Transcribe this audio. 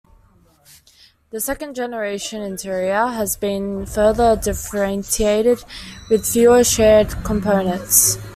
The second generation interior has been further differentiated with fewer shared components.